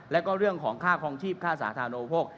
แล้วก็เรื่องของค่าคลองชีพค่าสาธารณโอโภค